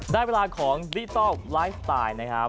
ได้เวลาของดิจิทัลไลฟ์สไตล์นะครับ